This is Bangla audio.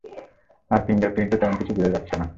আর ফিংগার প্রিন্টেও তেমন কিছু বুঝা যাচ্ছে না।